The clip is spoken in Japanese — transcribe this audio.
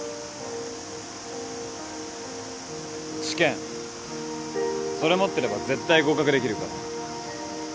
試験それ持ってれば絶対合格できるから。